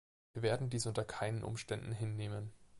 Wir werden dies unter keinen Umständen hinnehmen.